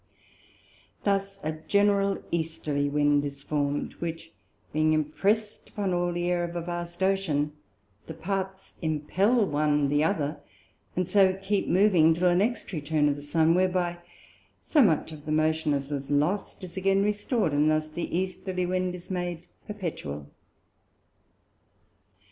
Thus a general Easterly Wind is formed, which being impressed upon all the Air of a vast Ocean, the Parts impel one the other, and so keep moving till the next return of the Sun, whereby so much of the Motion as was lost, is again restored, and thus the Westerly Wind is made perpetual.